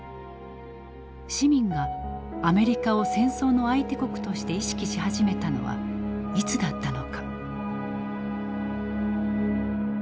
市民がアメリカを戦争の相手国として意識し始めたのはいつだったのか。